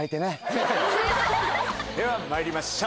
ではまいりましょう。